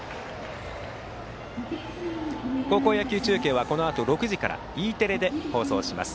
高校野球中継はこのあと６時からＥテレで放送します。